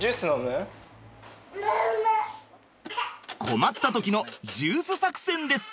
困った時のジュース作戦です。